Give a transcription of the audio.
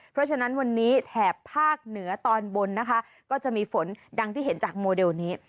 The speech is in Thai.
เพราะฉะนั้นวันนี้แถบภาคเหนือตอนบนนะคะก็จะมีฝนดังที่เห็นจากโมเดลนี้